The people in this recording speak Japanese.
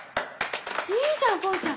いいじゃんポンちゃん。